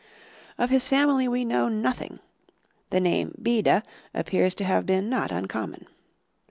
Of his family we know nothing; the name Beda appears to have been not uncommon.